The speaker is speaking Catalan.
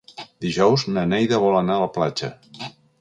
Dijous na Neida vol anar a la platja.